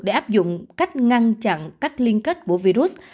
để áp dụng cách ngăn chặn cách liên kết của virus